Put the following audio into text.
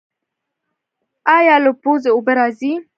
ایا له پوزې اوبه راځي؟